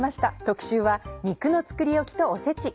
特集は肉の作りおきとおせち。